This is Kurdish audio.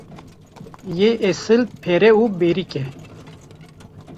Yê esil pere û berîk e.